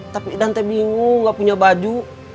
tapi idan tak bingung gak punya baju